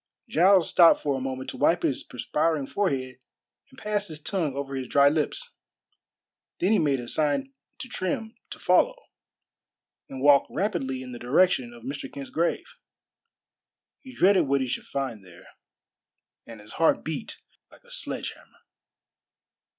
Giles stopped for a moment to wipe his perspiring forehead and pass his tongue over his dry lips, then he made a sign to Trim to follow, and walked rapidly in the direction of Mr. Kent's grave. He dreaded what he should find there, and his heart beat like a sledge hammer.